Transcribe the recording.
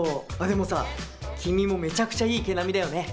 でもさ君もめちゃくちゃいい毛並みだよね。